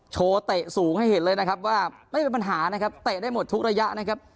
เตะสูงให้เห็นเลยนะครับว่าไม่เป็นปัญหานะครับเตะได้หมดทุกระยะนะครับ